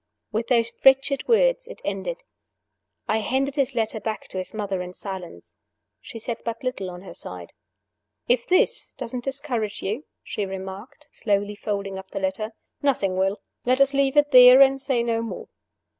With those wretched words it ended. I handed his letter back to his mother in silence. She said but little on her side. "If this doesn't discourage you," she remarked, slowly folding up the letter, "nothing will. Let us leave it there, and say no more."